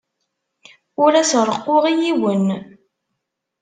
Ur as-reqquɣ i yiwen.